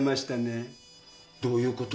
どういうことです？